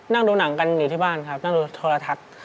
นั่งดูหนังกันอยู่ที่บ้านครับนั่งดูโทรทัศน์